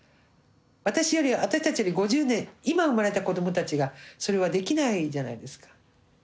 私より私たちより５０年今生まれた子どもたちがそれはできないじゃないですか。